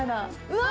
うわ！